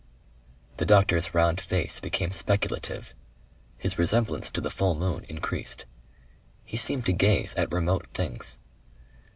The doctor's round face became speculative. His resemblance to the full moon increased. He seemed to gaze at remote things.